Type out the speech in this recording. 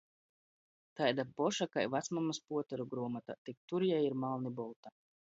Taida poša kai vacmamys puoteru gruomotā, tik tur jei ir malnibolta.